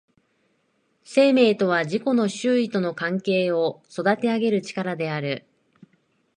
生命とは自己の周囲との関係を育てあげる力である。